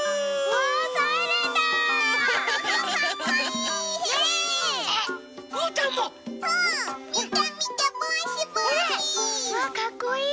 わぁかっこいい！